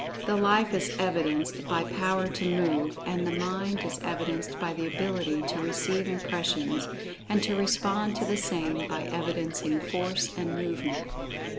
The Life is evidenced by power to move, and the Mind is evidenced by the ability to receive impressions and to respond to the same by evidencing Force and movement.